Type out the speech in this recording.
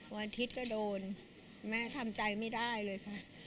วันอาทิตย์ก็โดนแม่ทำใจไม่ได้เลยค่ะ